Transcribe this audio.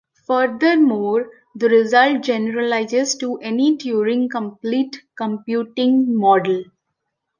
Futhermore, the result generalizes to any Turing Complete computing model.